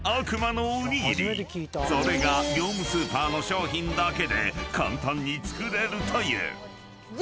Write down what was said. ［それが業務スーパーの商品だけで簡単に作れるという］